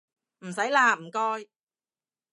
唔使喇唔該